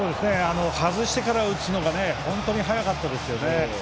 外してから打つのが本当に速かったですね。